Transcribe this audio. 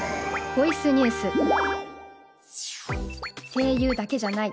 声優だけじゃない。